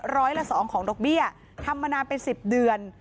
ร้อยละ๒ของดอกเบี้ยทำมานานเป็น๑๐เดือน